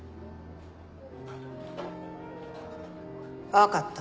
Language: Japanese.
わかった。